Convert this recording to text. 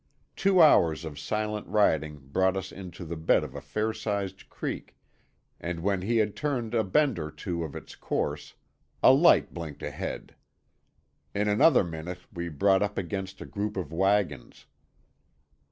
Two hours of silent riding brought us into the bed of a fair sized creek, and when he had turned a bend or two of its course, a light blinked ahead. In another minute we brought up against a group of wagons.